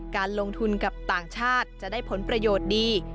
การลงทุนกับต่างชาติจะได้ผลประโยชน์ดี